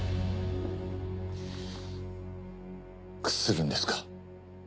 屈するんですか？